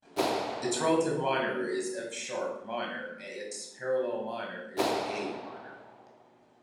Its relative minor is F-sharp minor and its parallel minor is A minor.